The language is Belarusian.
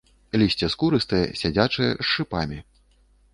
Лісце скурыстае, сядзячае, з шыпамі.